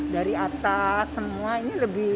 dari atas semua ini lebih